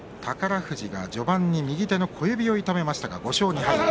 富士が序盤に右手の小指を痛めました。